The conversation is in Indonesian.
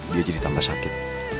dia jadi tambah sakit